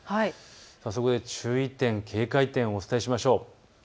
そこで注意点、警戒点を伝えましょう。